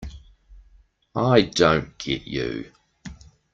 I don't get you.